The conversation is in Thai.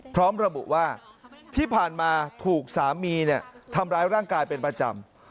พร้อมระบุว่าที่ผ่านมาถูกสามีทำร้ายร่างกายเป็นประจำ